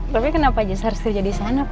tapi kenapa jesse harus kerja di sana papa